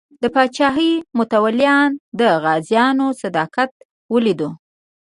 د پاچاهۍ متولیانو د غازیانو صداقت ولیدو.